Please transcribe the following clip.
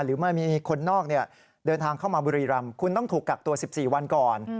ไม่มีคนนอกเดินทางเข้ามาบุรีรำคุณต้องถูกกักตัว๑๔วันก่อน